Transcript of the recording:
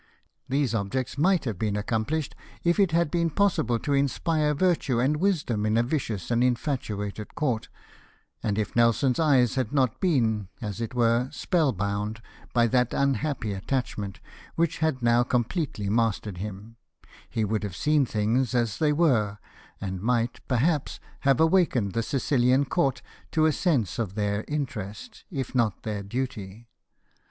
These objects might have been accomplished if it had been possible to inspire virtue and wisdom into a vicious and infatuated court ; and if Nelson's eyes had not been, as it were, spellbound by that unhappy attachment, which had now completely mastered him, he would have seen things as they were ; and might, perhaps, have awakened the Sicilian court to a sense THE STATE OF THINGS AT NAPLES. 195 of their interest, if not of their duty.